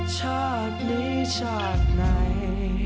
ชาตินี้ชาติไหน